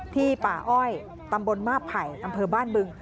ป่าอ้อยตำบลมาบไผ่อำเภอบ้านบึง